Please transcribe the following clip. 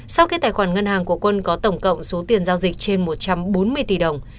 sau khi tài khoản ngân hàng của quân có tổng cộng số tiền giao dịch trên một trăm bốn mươi tỷ đồng